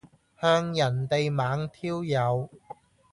向人地猛挑誘